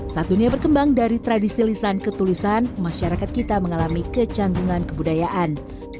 saat dunia berkembang dari tradisi lisan ketulisan masyarakat kita mengalami kecanggungan kebudayaan